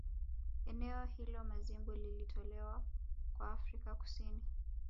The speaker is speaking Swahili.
Eneo hilo Mazimbu lilitolewa kwa Afrika Kusini